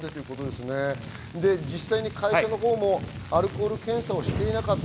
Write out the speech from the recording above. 実際、会社のほうもアルコール検査をしていなかった。